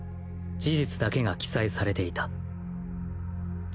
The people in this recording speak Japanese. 事実だけが記載されていた蛇